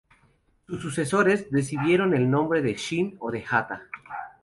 Sus sucesores recibieron el nombre de Shin o de Hata.